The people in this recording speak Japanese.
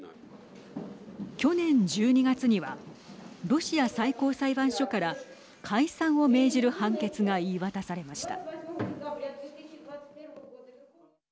去年１２月にはロシア最高裁判所から解散を命じる判決が言い渡されました。